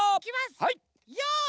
はい！